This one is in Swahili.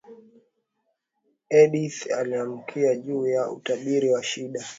edith alilalamika juu ya utabiri wa shida